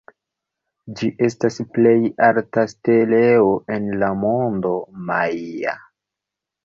Ĝi estas plej alta steleo en la mondo majaa.